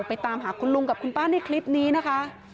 ตามหาคุณลุงกับคุณป้าในคลิปนี้นะคะ